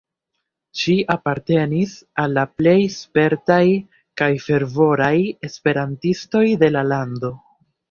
Ŝi apartenis al la plej spertaj kaj fervoraj esperantistoj de la lando".